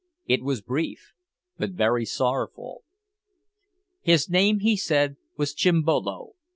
It was brief, but very sorrowful. His name, he said, was Chimbolo.